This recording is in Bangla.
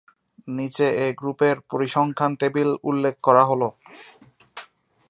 নিচে এই গ্রুপের পরিসংখ্যান টেবিল উল্লেখ করা হলো।